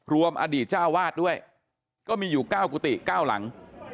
รวมอดีตเจ้าวาดด้วยก็มีอยู่๙กุฏิ๙หลัง